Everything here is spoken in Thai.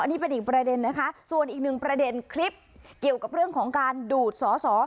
นี่เป็นอีกประเด็นนะคะส่วนอีกหนึ่งประเด็นคลิปเกี่ยวกับเรื่องของการดูดสอสอ